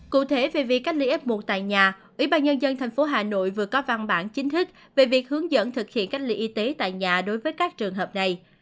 cụ thể về việc cách ly f một tại nhà ủy ban nhân dân tp hà nội vừa có văn bản chính thức về việc hướng dẫn thực hiện cách ly y tế tại nhà đối với các trường hợp này